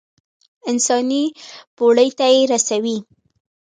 انساني پوړۍ ته يې رسوي.